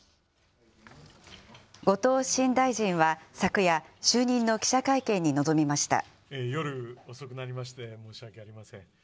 後藤新大臣は、昨夜、就任の記者会見に臨みました。